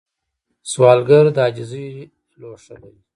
سوالګر د عاجزۍ لوښه لري